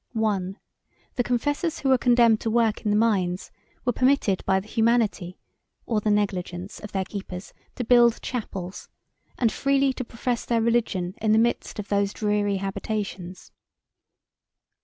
1. The confessors who were condemned to work in the mines were permitted by the humanity or the negligence of their keepers to build chapels, and freely to profess their religion in the midst of those dreary habitations.